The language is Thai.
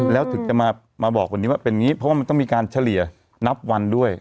แล้วถึงจะมาบอกวันนี้ว่าเป็นอย่างนี้เพราะว่ามันต้องมีการเฉลี่ยนับวันด้วย